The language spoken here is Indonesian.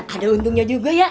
ada untungnya juga ya